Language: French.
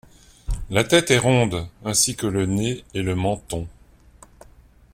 La tête est ronde, ainsi que le nez et le menton.